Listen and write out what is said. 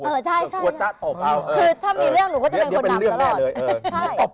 เออใช่คือถ้ามีเรื่องหนูก็จะเป็นคนดำตลอด